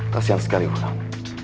kasian sekali wulan